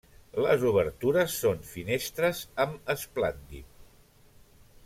Les obertures són finestres amb esplandit.